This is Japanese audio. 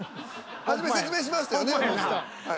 初め説明しましたよね。